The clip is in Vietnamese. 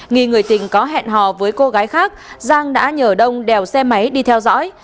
nghi người tình có hẹn hò với cô gái khác giang đã nhờ đông đèo xe máy đi theo dõi